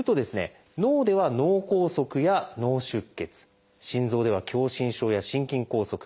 脳では脳梗塞や脳出血心臓では狭心症や心筋梗塞。